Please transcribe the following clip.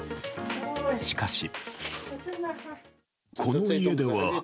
しかし。